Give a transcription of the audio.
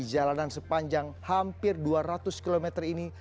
jalanan sepanjang hampir dua ratus km ini